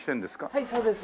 はいそうです。